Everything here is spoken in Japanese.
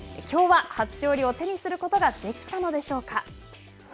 きょうは初勝利を手にすることができたのでしょうか。